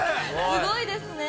◆すごいですね。